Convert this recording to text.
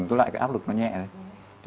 cái áp lực nó nhẹ